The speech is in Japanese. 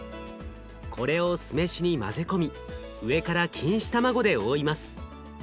これを酢飯に混ぜ込み上から錦糸卵で覆います。